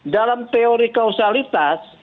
dalam teori kausalitas